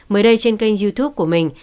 mới đây trên kênh youtube của mình